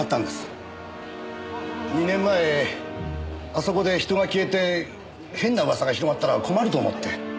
２年前あそこで人が消えて変な噂が広まったら困ると思って。